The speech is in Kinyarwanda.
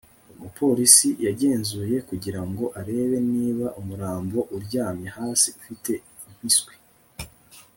Umupolisi yagenzuye kugira ngo arebe niba umurambo uryamye hasi ufite impiswi